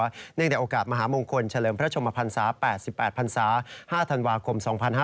เนื่องในโอกาสมหามงคลเฉลิมพระชมพันศา๘๘พันศา๕ธันวาคม๒๕๕๙